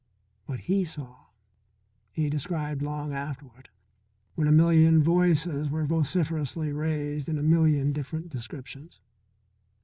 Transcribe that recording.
What he saw he described long afterward when a million voices were vociferously raised in a million different descriptions.